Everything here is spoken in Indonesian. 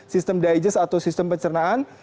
sistem diges atau sistem pencernaan